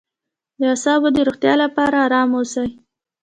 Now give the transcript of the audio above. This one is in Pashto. د اعصابو د روغتیا لپاره ارام اوسئ